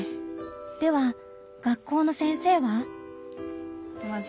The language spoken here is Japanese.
では学校の先生は？